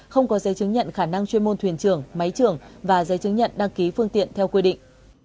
không có giấy chứng nhận khả năng chuyên môn thuyền trưởng máy trưởng và giấy chứng nhận đăng ký phương tiện theo quy định